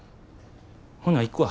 ほな行くわ。